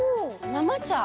生茶！